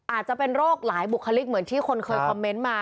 อาจจะเป็นโรคหลายบุคลิกเหมือนที่คนเคยคอมเมนต์มา